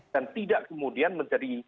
dan tidak kemudian menjadi